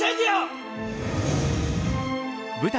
舞台